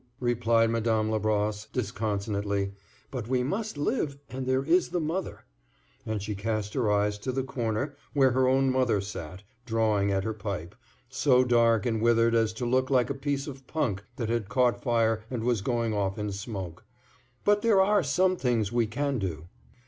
replied Madame Labrosse, disconsolately. "But we must live, and there is the mother," and she cast her eyes to the corner where her own mother sat, drawing at her pipe, so dark and withered as to look like a piece of punk that had caught fire and was going off in smoke. "But there are some things we can do."